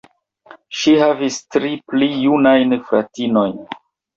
Ŝi havis tri pli junajn fratinojn.